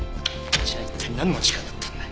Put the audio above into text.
じゃあ一体なんの時間だったんだよ。